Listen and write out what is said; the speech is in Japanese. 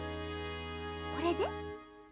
これで？